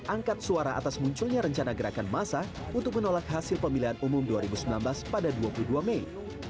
angkat suara atas munculnya rencana gerakan masa untuk menolak hasil pemilihan umum dua ribu sembilan belas pada dua puluh dua mei